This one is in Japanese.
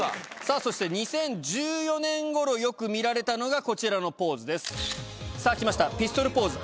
そして２０１４年ごろよく見られたのがこちらのポーズですさぁきました。